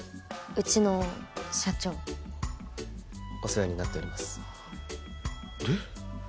うちの社長お世話になっておりますで？